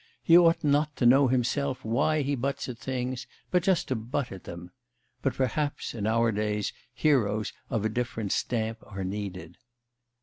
He ought not to know himself why he butts at things, but just to butt at them. But, perhaps, in our days heroes of a different stamp are needed.